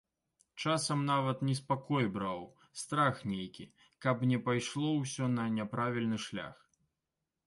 Часам нават неспакой браў, страх нейкі, каб не пайшло ўсё на няправільны шлях.